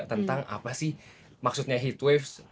tentang apa sih maksudnya heatwave